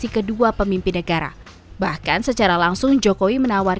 jokowi menawarkan diri sebagai jembatan komunitas